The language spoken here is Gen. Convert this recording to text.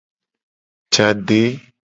Je ade.